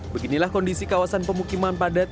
beginilah kondisi kawasan pemukiman padat